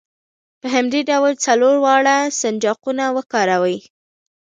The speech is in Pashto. په همدې ډول څلور واړه سنجاقونه وکاروئ.